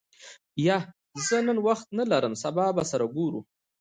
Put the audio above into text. یا، زه نن وخت نه لرم سبا به سره ګورو.